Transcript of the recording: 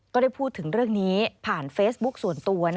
ก็ได้พูดถึงเรื่องนี้ผ่านเฟซบุ๊คส่วนตัว